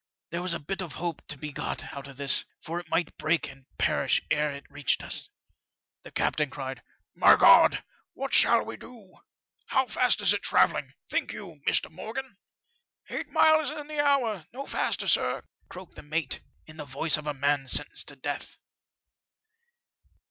There was a bit of hope to be got out of this, for it might break and perish ere it reached us. " The captain cried, ' My God I what shall we do ? How fast is it travelling, think you, Mr. Morgan ?Eight miles in the hour — ^no faster, sir,' croaked the mate, in the voice of a man sentenced to death.